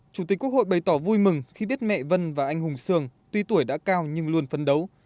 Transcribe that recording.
chủ tịch quốc hội bày tỏ vui mừng khi biết mẹ vân và anh hùng sương tuy tuổi đã cao nhưng luôn phấn đấu